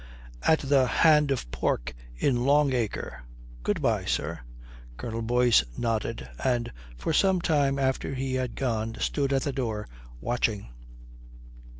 "At the 'Hand of Pork' in Long Acre. Goodbye, sir." Colonel Boyce nodded, and for some time after he had gone stood at the door, watching.